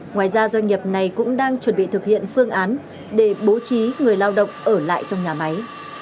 ngoài ra doanh nghiệp này cũng đang chuẩn bị thực hiện phương án để bố trí người lao động ở lại trong nhà máy